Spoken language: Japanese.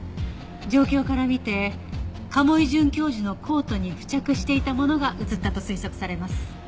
状況から見て賀茂井准教授のコートに付着していたものが移ったと推測されます。